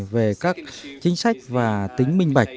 về các chính sách và tính minh bạch